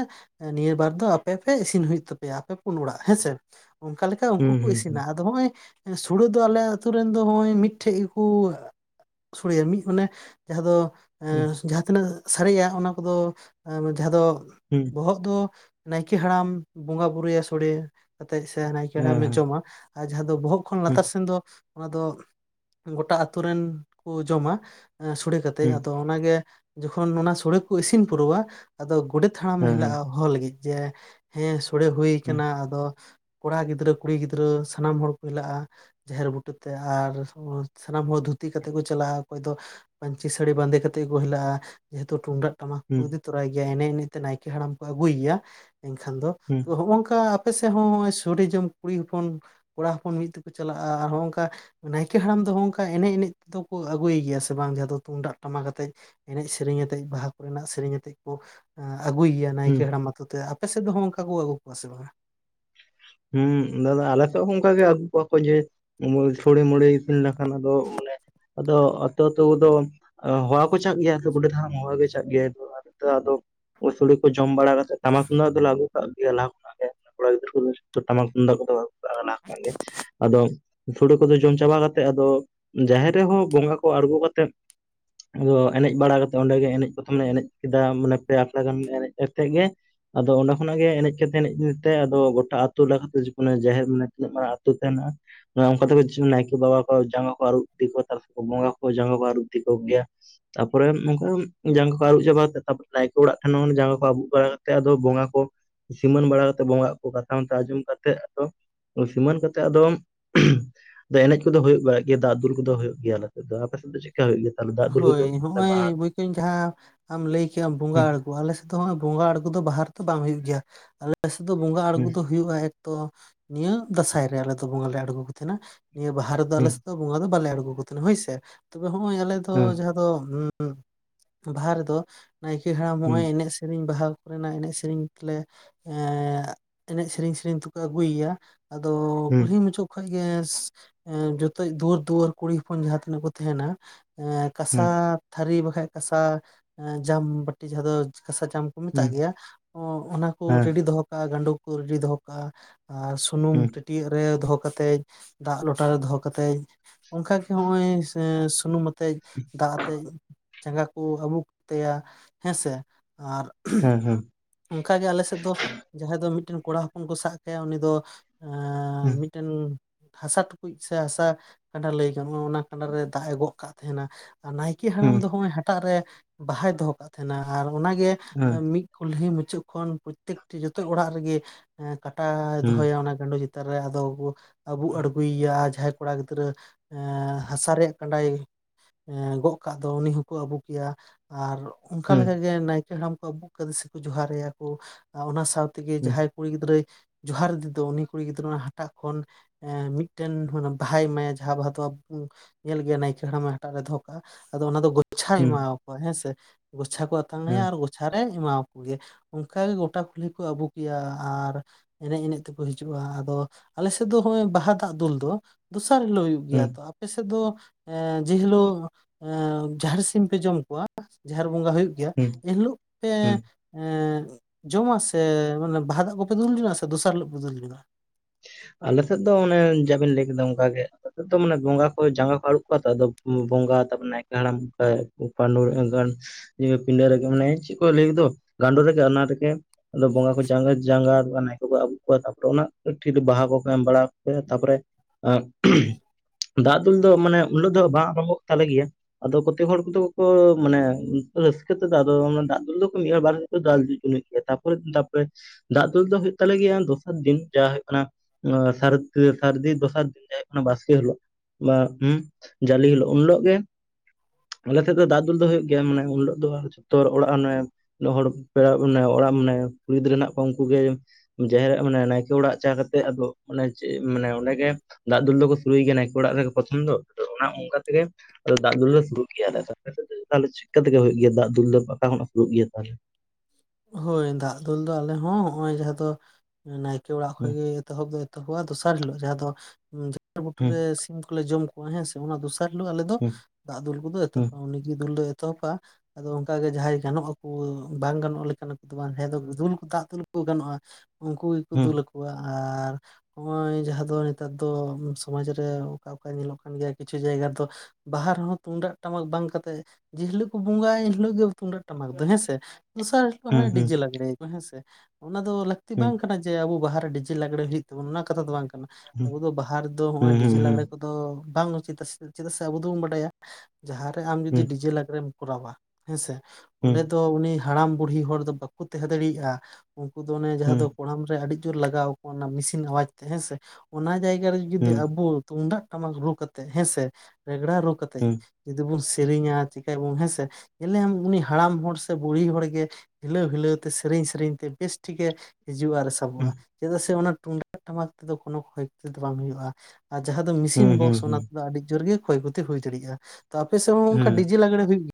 ᱱᱤᱭᱟᱹ ᱵᱟᱨ ᱫᱚ ᱟᱯᱮ ᱯᱮ ᱤᱥᱤᱱ ᱦᱩᱭᱩᱜ ᱛᱟᱯᱮᱭᱟ ᱟᱯᱮ ᱯᱩᱱ ᱚᱲᱟᱜ ᱦᱮᱸᱥᱮ ᱚᱱᱠᱟ ᱞᱮᱠᱟ ᱩᱱᱠᱩ ᱠᱚ ᱤᱥᱤᱱᱟ ᱟᱫᱚ ᱱᱚᱜ-ᱚᱭ ᱥᱩᱲᱮ ᱫᱚ ᱟᱞᱮ ᱟᱹᱛᱩ ᱨᱮᱱ ᱫᱚ ᱱᱚᱜ-ᱚᱭ ᱢᱤᱫ ᱴᱷᱮᱡ ᱜᱮᱠᱩ ᱥᱳᱲᱮᱭᱟ ᱢᱤᱜ ᱚᱱᱮ ᱡᱟᱦᱟᱸ ᱫᱚ ᱡᱟᱦᱟᱸ ᱛᱤᱱᱟᱹᱜ ᱥᱟᱨᱮᱜ-ᱟ ᱚᱱᱟ ᱠᱚᱫᱚ ᱡᱟᱦᱟᱸ ᱫᱚ
ᱦᱩᱸ
ᱵᱚᱦᱚᱜ ᱫᱚ ᱱᱟᱭᱠᱮ ᱦᱟᱲᱟᱢ ᱵᱚᱸᱜᱟ ᱵᱩᱨᱩᱭᱟ ᱥᱚᱲᱮ ᱠᱟᱛᱮᱡ ᱥᱮ ᱱᱟᱭᱠᱮ ᱦᱟᱲᱟᱢᱮ ᱡᱚᱢᱟ ᱟᱨ ᱡᱟᱦᱟᱸ ᱫᱚ ᱵᱚᱦᱚᱜ ᱠᱷᱚᱱ ᱞᱟᱛᱟᱨ ᱥᱮᱱ ᱫᱚ ᱚᱱᱟ ᱫᱚ ᱜᱚᱴᱟ ᱟᱹᱛᱩ ᱨᱮᱱ ᱠᱚ ᱡᱚᱢᱟ ᱥᱚᱲᱮ ᱠᱟᱛᱮ ᱟᱫᱚ ᱚᱱᱟ ᱜᱮ ᱡᱚᱠᱷᱚᱱ ᱚᱱᱟ ᱥᱚᱲᱮ ᱠᱚ ᱤᱥᱤᱱ ᱯᱩᱨᱟᱹᱣᱟ ᱟᱫᱚ ᱜᱚᱰᱮᱛ ᱦᱟᱲᱟᱢ ᱦᱮᱞᱟᱜ-ᱟ ᱦᱚᱦᱚ ᱞᱟᱹᱜᱤᱫ ᱡᱮ ᱦᱮᱸ ᱥᱳᱲᱮ ᱦᱩᱭ ᱠᱟᱱᱟ ᱟᱫᱚ ᱠᱚᱲᱟ ᱜᱤᱫᱽᱨᱟᱹ ᱠᱩᱲᱤ ᱜᱤᱫᱽᱨᱟᱹ ᱥᱟᱱᱟᱢ ᱦᱚᱲ ᱠᱚ ᱦᱮᱟᱞᱟᱜ-ᱟ ᱡᱟᱦᱮᱨ ᱵᱩᱴᱟᱹ ᱛᱮ ᱟᱨ ᱥᱟᱱᱟᱢ ᱦᱚᱲ ᱫᱷᱩᱛᱤ ᱠᱟᱛᱮ ᱠᱚ ᱪᱟᱞᱟᱜ-ᱟ ᱚᱠᱚᱭ ᱫᱚ ᱯᱟᱹᱧᱪᱤ ᱥᱟᱹᱲᱤ ᱵᱟᱸᱫᱮ ᱠᱟᱛᱮ ᱜᱮᱠᱚ ᱦᱮᱟᱞᱜ-ᱟ ᱡᱮᱦᱮᱛᱩ ᱛᱩᱢᱫᱟᱜ ᱴᱟᱢᱟᱠ ᱠᱚ ᱤᱫᱤ ᱛᱚᱨᱟᱭ ᱜᱮᱭᱟ ᱮᱱᱮᱡ ᱮᱱᱮᱡ ᱛᱮ ᱱᱟᱭᱠᱮ ᱦᱟᱲᱟᱢ ᱠᱚ ᱟᱹᱜᱩᱭᱭᱟ ᱮᱱᱠᱷᱟᱱ ᱫᱚ ᱦᱚᱜ ᱚ ᱱᱚᱝᱠᱟ ᱟᱯᱮᱥᱮᱫ ᱦᱚᱜ-ᱚᱭ ᱥᱩᱨᱮ ᱡᱚᱢ ᱠᱩᱲᱤ ᱦᱚᱯᱚᱱ ᱠᱚᱲᱟ ᱦᱚᱯᱚᱱ ᱢᱤᱫ ᱛᱮᱠᱚ ᱪᱟᱞᱟᱜ-ᱟ ᱟᱨ ᱦᱚᱸᱜ ᱚ ᱱᱚᱝᱠᱟ ᱱᱟᱭᱠᱮ ᱦᱟᱲᱟᱢ ᱫᱚ ᱦᱚᱝᱠᱟ ᱮᱱᱮᱡ ᱮᱱᱮᱡ ᱛᱮᱫᱚ ᱠᱚ ᱟᱹᱜᱩᱭ ᱜᱮᱭᱟ ᱥᱮ ᱵᱟᱝ ᱡᱟᱦᱟᱸ ᱫᱚ ᱛᱩᱱᱫᱟᱜ ᱴᱟᱢᱟᱠ ᱟᱛᱮᱜ ᱮᱱᱮᱡ ᱥᱮᱨᱮᱧ ᱟᱛᱮᱫ ᱵᱟᱦᱟ ᱨᱮᱱᱟᱜ ᱥᱮᱨᱮᱧ ᱟᱛᱮᱜ ᱠᱚ ᱟᱹᱜᱩᱭᱟᱭ ᱱᱟᱭᱠᱮ ᱦᱟᱲᱟᱢ ᱟᱛᱩ ᱛᱮ ᱟᱯᱮ ᱥᱮᱫ ᱦᱚ ᱚᱱᱠᱟ ᱠᱚ ᱟᱹᱜᱩ ᱠᱚᱣᱟ ᱥᱮ ᱵᱟᱝᱟ
ᱦᱩᱸ ᱟᱫᱚ ᱟᱞᱮ ᱥᱮᱫ ᱦᱚᱸ ᱚᱱᱠᱟ ᱜᱮ ᱟᱹᱜᱩ ᱠᱚᱣᱟ ᱠᱚ ᱡᱮ ᱥᱚᱲᱮ ᱢᱚᱲᱮ ᱤᱥᱤᱱ ᱞᱮᱠᱟᱱᱟᱜ ᱫᱚ ᱢᱟᱱᱮ ᱟᱫᱚ ᱟᱹᱛᱩ ᱟᱹᱛᱩ ᱫᱚ ᱦᱚᱣᱟ ᱠᱚ ᱪᱟᱜ ᱜᱮᱭᱟ ᱜᱚᱰᱮᱛ ᱫᱟᱲᱟᱢ ᱦᱚᱣᱟ ᱜᱮ ᱪᱟᱜ ᱜᱮᱭᱟᱭ ᱛᱚ ᱟᱛᱮ ᱟᱫᱚ ᱥᱚᱲᱮ ᱡᱚᱢ ᱵᱟᱲᱟ ᱠᱟᱛᱮ ᱴᱟᱢᱟᱠ ᱛᱩᱢᱫᱟᱜ ᱫᱚᱞᱮ ᱟᱹᱜᱩ ᱠᱫ ᱜᱮᱭᱟ ᱞᱟᱦᱟ ᱠᱷᱚᱱᱟᱜ ᱜᱮ ᱠᱚᱲᱟ ᱜᱤᱫᱽᱨᱟᱹ ᱠᱚᱫᱚ ᱡᱚᱛᱚ ᱴᱟᱢᱟᱠ ᱛᱩᱢᱫᱟᱜ ᱠᱚᱫᱚ ᱚᱱᱟ ᱠᱚᱜᱮ ᱟᱫᱚ ᱥᱚᱲᱮ ᱠᱚᱫᱚ ᱡᱚᱢ ᱪᱟᱵᱟ ᱠᱟᱛᱮᱜ ᱟᱫᱚ ᱡᱟᱦᱮᱨ ᱨᱮᱦᱚᱸ ᱵᱚᱸᱜᱟ ᱠᱚ ᱟᱬᱜᱚ ᱠᱟᱛᱮᱫ ᱟᱫᱚ ᱮᱱᱮᱡ ᱵᱟᱲᱟ ᱠᱚᱫᱚ ᱚᱸᱰᱮ ᱜᱮ ᱮᱱᱮᱡ ᱯᱨᱚᱛᱷᱚᱢ ᱞᱮ ᱮᱱᱮᱡ ᱠᱮᱫᱟ ᱢᱟᱱᱮ ᱯᱮ ᱟᱠᱷᱲᱟ ᱜᱟᱱ ᱮᱱᱮᱡ ᱠᱟᱛᱮᱜ ᱜᱮ ᱟᱫᱚ ᱚᱸᱰᱮ ᱠᱷᱚᱱᱟᱜ ᱜᱮ ᱮᱱᱮᱡ ᱠᱟᱛᱮ ᱮᱱᱮᱡ ᱛᱮ ᱟᱫᱚ ᱜᱚᱴᱟ ᱛᱩᱞᱟᱹ ᱠᱟᱛᱮ ᱡᱚᱠᱷᱚᱱᱮ ᱡᱟᱦᱮᱨ ᱢᱟᱱᱮ ᱛᱤᱱᱟᱹᱜ ᱢᱟᱨᱟᱝ ᱟᱹᱛᱩ ᱛᱮ ᱦᱮᱸᱱᱟᱜ-ᱟ ᱱᱚᱣᱟ ᱠᱚᱫᱚ ᱱᱟᱭᱠᱮ ᱵᱟᱵᱟ ᱠᱚ ᱡᱟᱸᱜᱟ ᱠᱚ ᱟᱹᱨᱩᱵ ᱤᱫᱤ ᱠᱚᱣᱟ ᱛᱚᱨ ᱯᱚᱨᱮ ᱵᱚᱸᱜᱟ ᱠᱚ ᱡᱟᱸᱜᱟ ᱠᱚ ᱟᱹᱨᱩᱵ ᱤᱫᱤ ᱠᱚ ᱜᱮᱭᱟ ᱛᱟᱯᱚᱨᱮ ᱚᱱᱠᱩ ᱡᱟᱸᱜᱟ ᱠᱚ ᱟᱹᱨᱩᱵ ᱪᱟᱵᱟ ᱛᱟᱯᱚᱨᱮ ᱱᱟᱭᱠᱮ ᱚᱲᱟᱜ ᱴᱷᱮᱱ ᱡᱟᱸᱜᱟ ᱠᱚ ᱟᱵᱩᱜ ᱵᱟᱲᱟ ᱠᱟᱛᱮ ᱟᱫᱚ ᱵᱚᱸᱜᱟ ᱠᱚ ᱥᱤᱢᱟᱹᱱ ᱵᱟᱲᱟ ᱠᱟᱛᱮ ᱵᱚᱸᱜᱟᱜ ᱠᱚ ᱠᱟᱛᱷᱟᱢ ᱟᱡᱚᱢ ᱠᱟᱛᱮᱜ ᱟᱫᱚ ᱥᱤᱢᱟᱹᱱ ᱠᱟᱛᱮ ᱟᱫᱚ ᱮᱱᱮᱡ ᱠᱚᱫᱚ ᱦᱩᱭᱩᱜ ᱵᱟᱲᱟᱜ ᱜᱮᱭᱟ ᱫᱟᱜ ᱫᱩᱞ ᱠᱚᱫᱚ ᱦᱩᱭᱩᱜ ᱜᱮᱭᱟ ᱟᱞᱮ ᱥᱮᱫ ᱫᱚ ᱟᱯᱮ ᱥᱮᱫ ᱫᱚ ᱪᱮᱫᱠᱟ ᱦᱩᱭᱩᱜ ᱜᱮᱭᱟ ᱛᱟᱦᱚᱞᱮ ᱫᱟᱜ ᱫᱩᱞ ᱠᱚᱫᱚ
ᱦᱳᱭ ᱦᱚᱜ-ᱚᱭ
ᱵᱟᱦᱟ
ᱵᱩᱭᱠᱚᱧ ᱡᱟᱦᱟᱸ ᱟᱢ ᱞᱟᱹᱭ ᱠᱮᱜ ᱟᱢ ᱵᱚᱸᱜᱟ
ᱦᱩᱸ
ᱟᱞᱮᱥᱮᱫ ᱫᱚ ᱦᱚᱜ-ᱚᱭ ᱵᱚᱸᱜᱟ ᱟᱬᱜᱳ ᱫᱚ ᱵᱟᱦᱟ ᱨᱮᱫᱚ ᱵᱟᱝ ᱦᱩᱭᱩᱜ ᱜᱮᱭᱟ ᱟᱞᱮᱥᱮᱫ ᱫᱚ ᱵᱚᱸᱜᱟ ᱟᱬᱜᱳ
ᱦᱩᱸ
ᱫᱚ ᱦᱩᱭᱩᱜ-ᱟ ᱛᱚ ᱱᱤᱭᱟᱹ ᱫᱟᱸᱥᱟᱭ ᱨᱮ ᱟᱞᱮᱫᱚ ᱵᱚᱸᱜᱟᱞᱮ ᱟᱬᱜᱚᱱ ᱛᱟᱦᱮᱱᱟ ᱱᱤᱭᱟᱹ ᱵᱟᱦᱟ ᱨᱮᱫᱚ ᱟᱞᱮᱥᱮᱫ ᱫᱚ ᱵᱚᱸᱜᱟ ᱫᱚ ᱵᱟᱞᱮ ᱟᱬᱜᱚ ᱠᱚ ᱛᱟᱦᱮᱫ ᱦᱚᱭᱥᱮ ᱛᱚᱵᱮ ᱟᱞᱮ ᱫᱚ
ᱦᱩᱸ
ᱡᱟᱦᱟ ᱛᱚ ᱵᱟᱦᱟ ᱨᱮᱫᱚ ᱱᱟᱭᱠᱮ ᱦᱟᱲᱟᱢ
ᱦᱩᱸ
ᱦᱚᱜ-ᱚᱭ ᱮᱱᱮᱡ ᱥᱮᱨᱮᱧ ᱵᱟᱦᱟ ᱚᱰᱮᱱᱟᱜ ᱮᱱᱮᱡ ᱥᱮᱨᱮᱧ ᱛᱮᱞᱮ ᱮᱸ ᱮᱱᱮᱡ ᱥᱮᱨᱮᱧ ᱥᱮᱨᱮᱧ ᱛᱮᱠᱚ ᱟᱹᱜᱩᱭᱭᱟ ᱟᱫᱚ
ᱦᱩᱸ
ᱠᱩᱞᱦᱤ ᱢᱩᱪᱟᱹᱫ ᱠᱷᱟᱡ ᱜᱮ ᱡᱚᱛᱚ ᱫᱩᱣᱟᱹᱨ ᱫᱩᱣᱟᱹᱨ ᱠᱩᱲᱤ ᱦᱚᱯᱚᱱ ᱡᱟᱦᱟᱸ ᱛᱤᱱᱟᱹᱜ ᱠᱚ ᱛᱟᱦᱮᱱᱟ ᱠᱟᱥᱟ
ᱦᱩᱸ
ᱛᱷᱟᱹᱨᱤ ᱵᱟᱠᱷᱟᱡ ᱠᱟᱥᱟ ᱡᱟᱢ ᱵᱟᱹᱴᱤ ᱡᱟᱦᱟᱸ ᱫᱚ ᱠᱟᱥᱟ ᱡᱚᱢ
ᱦᱩᱸ
ᱢᱮᱛᱟᱜ ᱜᱮᱭᱟ ᱚᱱᱟ ᱠᱚ ᱨᱤᱰᱤ ᱫᱚᱦᱚ ᱠᱟᱜ-ᱟ ᱜᱟᱸᱰᱳ ᱠᱚ ᱨᱤᱰᱤ ᱫᱚᱦᱚ ᱠᱟᱜ-ᱟ ᱟᱨ ᱥᱩᱱᱩᱢ
ᱦᱩᱸ
ᱴᱟᱹᱴᱭᱟᱹᱜ ᱨᱮ ᱫᱚᱦᱚ ᱠᱟᱛᱮᱡ ᱫᱟᱜ ᱞᱚᱴᱟᱨ ᱨᱮ ᱫᱚᱦᱚ ᱠᱟᱛᱮᱡ ᱵᱟᱝ ᱠᱷᱟᱡ ᱦᱚᱸᱜ ᱚᱭ ᱥᱩᱱᱩᱢ ᱢᱟ ᱛᱮᱡ ᱫᱟᱜ ᱟᱛᱮᱡ ᱡᱟᱸᱜᱟ ᱠᱚ ᱟᱹᱵᱩᱜ ᱛᱟᱭᱟ ᱦᱮᱸᱥᱮ ᱟᱨ
ᱦᱮᱸ ᱦᱮᱸ
ᱚᱱᱠᱟᱜᱮ ᱟᱞᱮᱥᱮᱫ ᱫᱚ ᱡᱟᱦᱟᱸᱭ ᱫᱚ ᱢᱤᱫᱴᱮᱱ ᱠᱚᱲᱟ ᱦᱚᱯᱚᱱ ᱠᱚ ᱥᱟᱵ ᱠᱟᱭᱟ ᱩᱱᱤ ᱫᱚ
ᱦᱮᱸ ᱦᱮᱸ
ᱢᱤᱫᱴᱮᱱ ᱦᱟᱥᱟ ᱴᱩᱠᱩᱡ ᱥᱮ ᱦᱟᱥᱟ ᱚᱠᱟ ᱴᱟᱜ ᱞᱟᱹᱭ ᱜᱟᱱᱚᱜ-ᱟ ᱚᱱᱟ ᱠᱟᱸᱰᱟ ᱨᱮ ᱫᱟᱜ ᱮ ᱜᱚᱫ ᱠᱟᱜ ᱛᱟᱦᱮᱱᱟ ᱟᱨ ᱱᱟᱭᱠᱮ ᱦᱟᱲᱟᱢ
ᱦᱩᱸ
ᱫᱚ ᱱᱚᱜ-ᱚᱭ ᱦᱟ ᱮᱴᱟᱜ ᱨᱮ ᱵᱟᱦᱟᱭ ᱫᱚᱦᱚ ᱠᱟᱜ ᱛᱟᱦᱮᱱᱟ ᱟᱨ ᱚᱱᱟᱜᱮ
ᱦᱩᱸ ᱦᱮᱸ
ᱢᱤᱫ ᱠᱩᱞᱦᱤ ᱢᱩᱪᱟᱹᱫ ᱠᱷᱚᱱ ᱯᱚᱨᱛᱮᱠᱴᱤ ᱡᱚᱛᱚ ᱚᱲᱟᱜ ᱨᱮᱜᱮ ᱠᱟᱴᱟᱭ
ᱦᱩᱸ
ᱫᱚᱦᱚᱭᱟ ᱚᱱᱟ ᱜᱟᱸᱰᱳ ᱪᱮ ᱨᱮ ᱟᱫᱚ ᱠᱚ ᱟᱵᱩᱜ ᱟᱬᱜᱩᱭᱭᱟ ᱡᱟᱦᱟᱸᱭ ᱠᱚᱲᱟ ᱜᱤᱫᱽᱨᱟᱹ ᱮᱸ ᱦᱟᱥᱟ ᱨᱮᱭᱟᱜ ᱠᱟᱸᱰᱟᱭ ᱮᱸ ᱜᱚᱜ ᱠᱟᱜ ᱫᱚ ᱩᱱᱤ ᱦᱚᱸᱠᱚ ᱟᱹᱜᱩᱠᱟᱭᱟ ᱟᱨ ᱚᱱᱠ
ᱦᱩᱸ
ᱟᱞᱠᱟ ᱜᱮ ᱱᱟᱭᱠᱮ ᱦᱟᱲᱟᱢ ᱠᱚ ᱟᱵᱩᱜ ᱠᱟᱫᱮ ᱥᱮᱠᱚ ᱡᱚᱦᱟᱨ ᱮᱭᱟ ᱠᱚ ᱚᱱᱟ ᱥᱟᱶ ᱛᱮᱜᱮ ᱡᱟᱦᱟᱸᱭ ᱠᱩᱲᱤ ᱜᱤᱫᱽᱨᱟᱹᱭ ᱡᱚᱦᱟᱨ ᱟᱫᱮ ᱫᱚ ᱩᱱᱤ ᱠᱩᱲᱤ ᱜᱤᱫᱽᱨᱟᱹ ᱚᱱᱟ ᱦᱟᱴᱟᱜ ᱠᱷᱚᱱ ᱮ ᱢᱤᱫᱴᱮᱱ ᱵᱟᱦᱟᱭ ᱮᱢᱟᱭ ᱟ ᱡᱟᱦᱟᱸ ᱵᱟᱦᱟ ᱫᱚ [unintelligible] ᱧᱮᱞ ᱜᱮᱭᱟ ᱱᱟᱭᱠᱮ ᱦᱟᱲᱟᱢ ᱦᱟᱴᱟᱜ ᱨᱮ ᱫᱚᱦᱚ ᱠᱟᱜᱼᱟ ᱟᱫᱚ ᱚᱱᱟ ᱫᱚ [unintelligible] ᱜᱚᱪᱷᱟᱭ
ᱦᱩᱸ
ᱮᱢᱟᱣᱟ ᱠᱚᱣᱟ ᱦᱮᱸᱥᱮ ᱜᱚᱪᱷᱟ ᱠᱚ ᱟᱛᱟᱝ ᱟ
ᱦᱩᱸ
ᱟᱨ ᱜᱚᱪᱷᱟ ᱨᱮᱭ ᱮᱢᱟ [unintelligible] ᱚᱱᱠᱟᱜ ᱜᱮ ᱜᱚᱴᱟ ᱠᱩᱞᱦᱤ ᱠᱚ ᱟᱹᱵᱩᱠ ᱮᱭᱟ ᱟᱨ ᱮᱱᱮᱡ ᱮᱱᱮᱡ ᱛᱮᱠᱚ ᱦᱤᱡᱩᱜᱼᱟ ᱟᱫᱚ ᱟᱞᱮ ᱥᱮᱫ ᱫᱚ ᱦᱚᱸᱜᱼᱚᱭ ᱵᱟᱦᱟ ᱫᱟᱜ ᱫᱩᱞ ᱫᱚ ᱫᱚᱥᱟᱨ ᱦᱤᱞᱳᱜ ᱦᱩᱭᱩᱜᱼᱟ
ᱦᱩᱸ
ᱜᱭᱟ
ᱦᱩᱸ
ᱛᱚ ᱟᱯᱮ ᱥᱮᱫ ᱫᱚ ᱮᱸ ᱡᱮᱦᱤᱞᱳᱜ ᱡᱟᱦᱮᱨ ᱥᱤᱢ ᱯᱮ ᱡᱚᱢ ᱠᱚᱣᱟ ᱡᱟᱦᱮᱨ ᱵᱚᱸᱜᱟ ᱦᱩᱭᱩᱜ
ᱦᱩᱸ
[unintelligible] ᱮᱱᱦᱤᱞᱳᱜ ᱯᱮᱸ
ᱦᱩᱸ
ᱮᱸ ᱡᱚᱢᱟᱜ ᱥᱮ ᱢᱟᱱᱮ ᱵᱟᱦᱟ ᱫᱟᱜ ᱠᱚᱯᱮ ᱫᱩᱞ ᱡᱚᱝᱟ ᱥᱮ ᱫᱚᱥᱟᱨ ᱦᱤᱞᱚᱜ ᱯᱮ ᱫᱩᱞ ᱡᱚᱝᱟ
ᱟᱞᱮᱥᱮᱫ ᱫᱚ ᱚᱱᱮ ᱡᱟᱵᱤᱱ ᱞᱟᱹᱭ ᱠᱮᱫᱟ ᱚᱝᱠᱟᱜᱮ ᱡᱚᱛᱚ ᱢᱟᱱᱮ ᱵᱚᱸᱜᱟ ᱠᱚ ᱡᱟᱸᱜᱟ ᱠᱚ ᱟᱨᱩᱵ ᱠᱚᱣᱟ ᱛᱚ ᱟᱫᱚ ᱵᱚᱸᱜᱟ ᱛᱟᱯᱚᱨᱮ ᱱᱟᱭᱠᱮ ᱦᱟᱲᱟᱢ [unintelligible] ᱯᱤᱸᱰᱟᱹ ᱨᱮᱜᱮ ᱢᱟᱱᱮ ᱪᱮᱫ ᱠᱚ ᱞᱟᱹᱭ ᱠᱮᱫᱚ ᱜᱟᱸᱰᱳ ᱨᱮᱜᱮ ᱚᱱᱟ ᱨᱮᱜᱮ ᱟᱫᱚ ᱵᱚᱸᱜᱟ ᱠᱚ ᱡᱟᱸᱜᱟ ᱡᱟᱸᱜᱟ ᱱᱟᱭᱠᱮ ᱠᱚ ᱟᱹᱨᱩᱵ ᱠᱚᱣᱟ ᱛᱟᱯᱚᱨᱮ ᱱᱟᱦᱜ [unintelligible] ᱵᱟᱦᱟ ᱠᱚᱠᱚ ᱮᱢ ᱵᱟᱲᱟ ᱟᱠᱚᱣᱟ ᱛᱟᱯᱚᱨᱮ ᱫᱟᱜ ᱫᱩᱞ ᱫᱚ ᱢᱟᱱᱮ ᱩᱱᱦᱤᱞᱚᱜ ᱫᱚ ᱵᱟᱝ ᱮᱦᱚᱵᱼᱚᱜ ᱛᱟᱞᱮ ᱜᱮᱭᱟ ᱟᱫᱚ ᱠᱚᱛᱮᱠ ᱦᱚᱲ ᱠᱚᱫᱚ ᱠᱚ ᱢᱟᱱᱮ ᱨᱟᱹᱥᱠᱟᱹ ᱛᱮᱫᱚ ᱟᱫᱚ ᱫᱟᱜ ᱫᱩᱞ ᱫᱚᱠᱚ [unintelligible] [unintelligible] ᱜᱮᱭᱟ ᱛᱟᱯᱚᱨᱮ ᱛᱟᱯᱮ ᱫᱟᱜ ᱫᱩᱞ ᱫᱚ ᱦᱩᱭᱩᱜ ᱛᱟᱞᱮ ᱜᱮᱭᱟ ᱫᱚᱥᱟᱨ ᱫᱤᱱ ᱡᱟᱦᱟᱸ ᱦᱳᱭᱳᱜ ᱠᱟᱱᱟ ᱥᱟᱹᱨᱫᱤ ᱫᱚᱥᱟᱨ ᱫᱤᱱ ᱫᱚ ᱦᱳᱭᱳᱜ ᱠᱟᱱᱟ ᱵᱟᱥᱠᱮ ᱦᱤᱞᱳᱜ ᱵᱟᱝᱟ ᱦᱩᱸ ᱡᱟᱞᱮ ᱦᱤᱞᱳᱜ ᱩᱱ ᱦᱤᱞᱚᱜ ᱜᱮ ᱟᱞᱮ ᱥᱮᱫ ᱫᱚ ᱫᱟᱜ ᱫᱩᱞ ᱫᱚ ᱦᱳᱭᱳᱜ ᱜᱮᱭᱟ ᱢᱟᱱᱮ ᱩᱱ ᱦᱤᱞᱳᱜ ᱫᱚ ᱡᱷᱚᱛᱚ ᱦᱚᱲ ᱚᱲᱟᱜ [unintelligible] ᱩᱱᱟᱹᱜ ᱦᱚᱲ ᱯᱮᱲᱟ ᱢᱟᱱᱟᱭ ᱟ ᱚᱲᱟᱜ ᱥᱟᱱᱟᱭᱟ ᱠᱩᱲᱤ ᱜᱤᱫᱽᱨᱟᱹ ᱦᱮᱱᱟᱜ ᱠᱚᱣᱟ ᱩᱱᱠᱩ ᱜᱮ ᱡᱟᱦᱮᱨ ᱢᱟᱱᱮ ᱱᱟᱭᱮ ᱱᱟᱭᱠᱮ ᱚᱲᱟᱜ ᱪᱟᱨ ᱠᱟᱛᱮᱜ ᱟᱫᱚ ᱢᱟᱱᱮ ᱪᱮᱜ ᱢᱮᱱ ᱟ ᱚᱸᱰᱮ ᱜᱮ ᱫᱟᱜ ᱫᱩᱞ ᱫᱚᱠᱚ ᱥᱩᱨᱩᱭ ᱜᱮᱭᱟ ᱱᱟᱭᱠᱮ ᱚᱲᱟᱜ ᱨᱮ ᱯᱚᱛᱷᱚᱢ ᱫᱚ ᱚᱱᱟ ᱚᱱᱠᱟ ᱛᱮᱜᱮ ᱟᱫᱚ ᱫᱟᱜ ᱫᱩᱞ ᱞᱮ ᱥᱩᱨᱩᱜ ᱜᱮᱭᱟᱞᱮ ᱛᱟᱦ ᱞᱮ ᱪᱤᱠᱟᱹ ᱛᱮᱜᱮ ᱦᱩᱭᱩᱜ ᱜᱮᱭᱟ ᱫᱟᱜ ᱫᱩᱞ ᱞᱮ ᱯᱟᱠᱟ ᱦᱚᱸ ᱥᱩᱨᱩᱜ ᱜᱮᱭᱟ ᱛᱟᱦᱞᱮ [unintelligible]
ᱦᱳᱭ ᱫᱟᱜ ᱫᱩᱞ ᱫᱚ ᱟᱞᱮ ᱦᱚᱸ ᱦᱚᱜ ᱚᱭ ᱡᱟᱦᱟᱸ ᱫᱚ ᱱᱟᱭᱠᱮ ᱚᱲᱟᱜ ᱠᱷᱚᱱ
ᱦᱩᱸ
ᱜᱮ ᱮᱛᱚᱦᱚᱵ ᱫᱚ ᱫᱚᱥᱟᱨ ᱦᱤᱞᱳᱜ ᱡᱟᱦᱟᱸ ᱫᱚ ᱡᱟᱦᱮᱨ ᱵᱩᱴᱟᱹ ᱨᱮ ᱥᱤᱢ ᱠᱚᱞᱮ ᱡᱚᱢ ᱠᱚᱣᱟ ᱦᱮᱸ ᱥᱮ ᱚᱱᱟ ᱫᱚᱥᱟᱨ ᱫᱚᱥᱟᱨ ᱦᱤᱞᱳ ᱟᱞᱮ ᱫᱚ
ᱦᱩᱸ
ᱫᱟᱜ ᱫᱩᱞ ᱠᱚᱫᱚ ᱮᱛᱚᱦᱚᱵ
ᱦᱩᱸ
ᱟᱞᱮ ᱮᱛᱚᱦᱚᱯ ᱟ ᱟᱫᱚ ᱚᱱᱠᱟᱜ ᱜᱮ ᱡᱟᱦᱟᱸᱭ ᱜᱟᱱᱚᱜ ᱟᱠᱚ ᱵᱟᱝ ᱜᱟᱱᱚᱜ [unintelligible] ᱩᱱᱠᱩ ᱫᱚ ᱵᱟᱝ ᱦᱮᱸ ᱫᱩᱞ ᱫᱟᱜ ᱫᱩᱞ ᱠᱚ ᱜᱟᱱᱚᱜᱼᱟ ᱩᱱᱠᱩ ᱜᱮᱠᱚ
ᱦᱩᱸ
ᱫᱩᱩᱞ ᱟᱚᱣᱟ ᱟᱨ ᱱᱚᱜᱼᱚᱭ ᱡᱟᱦᱟᱸ ᱫᱚ ᱱᱮᱛᱟᱨ ᱫᱚ ᱢᱤᱫ ᱥᱚᱢᱟᱡᱽ ᱨᱮ ᱚᱠᱟ ᱚᱠᱟ ᱧᱮᱞᱚᱜ ᱠᱟᱱ ᱜᱮᱭᱟ ᱠᱤᱪᱷᱩ ᱡᱟᱭᱜᱟ ᱨᱮᱫᱚ ᱵᱟᱦᱟ ᱨᱮᱦᱚᱸ ᱛᱩᱢᱫᱟᱜ ᱴᱟᱢᱟᱠ ᱵᱟᱝ ᱠᱛᱮᱜ ᱡᱮᱦᱤᱞᱳᱜ ᱠᱚ ᱵᱚᱸᱜᱟᱭᱟ ᱮᱱ ᱦᱤᱞᱳᱜ ᱜᱮ ᱛᱩᱢᱫᱟᱜ ᱴᱟᱢᱟᱠ ᱫᱚ ᱦᱮᱸᱥᱮ ᱫᱚᱥᱟᱨ ᱦᱤᱞᱚᱜ
ᱦᱩᱸ
ᱦᱟᱱᱮ
ᱦᱩᱸ
ᱰᱤᱡᱮ ᱞᱟᱸᱜᱽᱲᱮ ᱭᱟᱠᱚ ᱦᱮᱸ ᱥᱮ ᱚᱱᱟ ᱫᱚ ᱞᱟᱹᱠᱛᱤ
ᱦᱩᱸ
ᱵᱟᱝ ᱠᱟᱱᱟ ᱮ ᱟᱵᱚ ᱵᱟᱦᱟ ᱨᱮ ᱰᱤᱡᱮ ᱞᱟᱸᱜᱽᱲᱮ ᱦᱩᱭᱩᱜ ᱛᱟᱵᱱᱟ ᱚᱱᱟ ᱠᱟᱛᱷᱟ ᱫᱚ ᱵᱟᱝ ᱠᱟᱱᱟ
ᱦᱩᱸ
ᱟᱵᱚ ᱫᱚ ᱵᱟᱦᱟ ᱨᱮᱫ ᱦᱚᱸᱜᱼᱚᱭ
ᱦᱩᱸ
ᱰᱤᱡᱮ ᱞᱟᱸᱜᱽᱲᱮ ᱠᱚ
ᱦᱩᱸ
ᱠᱚᱫᱚ ᱵᱟᱝ ᱩᱪᱤᱛ ᱟ ᱥᱮ ᱪᱮᱫᱟᱜ ᱥᱮ ᱟᱵᱚ ᱫᱚᱵᱚᱱ ᱵᱟᱰᱟᱭᱟ ᱡᱟᱦᱟᱸᱨᱮ ᱟᱢ ᱡᱩᱫᱤ ᱰᱤᱡᱮ ᱞᱟᱸᱜᱽᱲᱮᱢ ᱠᱚᱨᱟᱣ ᱟ ᱦᱮᱸᱥᱮ
ᱦᱩᱸ
ᱚᱸᱰᱮ ᱫᱚ ᱩᱱᱤ ᱦᱟᱲᱟᱢ ᱵᱩᱲᱦᱤ ᱦᱚᱲ ᱫᱚ ᱵᱟᱠᱩ ᱛᱟᱦᱮᱸ ᱫᱟᱲᱤᱜᱼᱟ ᱩᱱᱠᱩ ᱫᱚ ᱚᱱᱮ ᱡᱟᱦᱟᱸ
ᱦᱩᱸ
ᱫᱚ ᱠᱚᱲᱟᱢ ᱨᱮ ᱟᱹᱰᱤ ᱡᱳᱨ ᱞᱟᱜᱟᱣ ᱟᱠᱚ ᱚᱱᱟ ᱢᱮᱥᱤᱱ ᱟᱣᱟᱡᱽ ᱛᱮ ᱦᱮᱸ ᱥᱮ ᱚᱱᱟ ᱡᱟᱭᱜᱟ ᱨᱮ ᱡᱩᱫᱤ
ᱦᱩᱸ ᱦᱩᱸ
ᱟᱵᱩ ᱛᱩᱢᱫᱟᱜ ᱴᱟᱢᱟᱠ ᱨᱩ ᱠᱟᱛᱮᱜ ᱦᱮᱸᱥᱮ ᱨᱮᱜᱽᱲᱟ ᱨᱩ ᱠᱟᱛᱮᱜ
ᱦᱩᱸ
ᱡᱩᱫᱤ ᱵᱚᱱ ᱥᱮᱨᱮᱧᱟ ᱪᱤᱠᱟᱭ ᱟᱵᱚᱱ ᱦᱮᱸᱥᱮ ᱡᱮᱢᱚᱱ ᱩᱱᱤ ᱦᱟᱲᱟᱢ ᱦᱚᱲ ᱥᱮ ᱵᱩᱲᱦᱤ ᱦᱚᱲ ᱜᱮ ᱦᱤᱞᱟᱹᱣ ᱦᱤᱞᱟᱹᱣ ᱛᱮ ᱥᱮᱨᱮᱧ ᱥᱮᱨᱮᱧ ᱛᱮ ᱵᱮᱥ ᱴᱷᱤᱠᱮ ᱦᱤᱡᱩᱜᱼᱟ ᱟᱨ ᱥᱟᱵᱚᱜᱼᱟ
ᱦᱩᱸ
ᱪᱮᱫᱟᱜ ᱥᱮ ᱚᱱᱟ ᱛᱩᱢᱫᱟᱜ ᱴᱟᱢᱟᱠ ᱛᱮᱫᱚ ᱠᱳᱱᱳ ᱠᱷᱚᱭ ᱠᱷᱚᱛᱤ ᱫᱚ ᱵᱟᱝ ᱦᱩᱭᱩᱜᱼᱟ ᱟᱨ ᱡᱟᱦᱟᱸ ᱫᱚ ᱢᱮᱥᱤᱱ
ᱦᱩᱸ ᱦᱩᱸ
ᱵᱚᱠᱥ
ᱦᱩᱸ ᱦᱩᱸ
ᱚᱱᱟ
ᱦᱩᱸ
ᱛᱮᱫᱚ ᱟᱹᱰᱤ ᱡᱳᱨ ᱜᱮ ᱠᱷᱚᱭ ᱠᱷᱚᱛᱤ ᱦᱩᱭ ᱫᱟᱲᱤᱜᱼᱟ ᱛᱚ ᱟᱯᱮ ᱥᱮᱫᱦᱚᱸ ᱚᱱᱠᱟ
ᱦᱩᱸ
ᱰᱤᱡᱮ ᱞᱟᱸᱜᱽᱲᱮ ᱦᱩᱭᱩᱜ ᱜᱮᱭᱟ